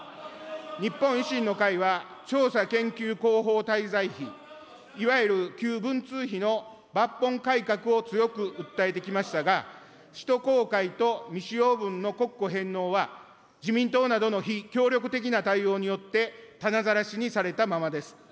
日本維新の会は、調査研究広報滞在費、いわゆる旧文通費の抜本改革を強く訴えてきましたが、使途公開と未使用分の国庫返納は自民党などの非協力的な対応によって、たなざらしにされたままです。